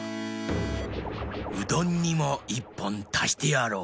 うどんにも１ぽんたしてやろう。